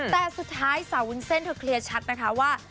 แต่สุดท้ายสาววุ้นเส้นเธอเคลียร์ชัดนะคะว่า